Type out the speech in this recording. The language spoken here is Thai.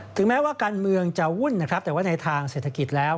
แม้ว่าการเมืองจะวุ่นนะครับแต่ว่าในทางเศรษฐกิจแล้ว